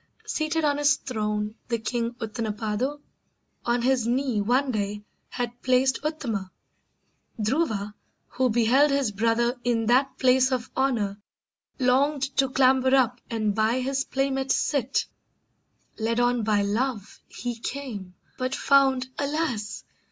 Seated on his throne the king Uttanapado, on his knee one day Had placed Uttama; Dhruva, who beheld His brother in that place of honour, longed To clamber up and by his playmate sit; Led on by Love he came, but found, alas!